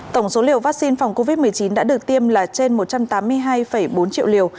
tổng số liều vaccine phòng covid một mươi chín đã được tiêm là trên một trăm tám mươi hai bốn triệu liều